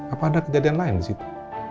apa ada kejadian lain disitu